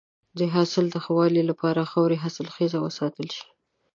د حاصل د ښه والي لپاره د خاورې حاصلخیزی وساتل شي.